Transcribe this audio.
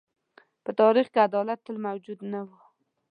په تاریخ کې عدالت تل موجود نه و.